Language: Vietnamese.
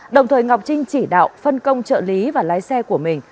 đồng thời ngọc trinh chỉ đạo phân công trợ lý và lái xe của mình